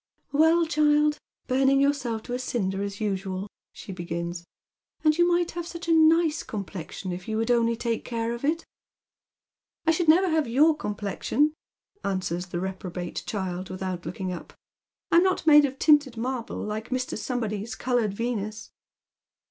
" Well, child, burning yourself to a cinder as usual," she begins, "and you might have such a nice complexion if you would only take care of it." " 1 should never have your complexion," answers the reprobate child without looking up ;" I'm not made of tinted marble, hko Mr. Somebody's coloured Venus."